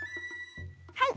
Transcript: はい。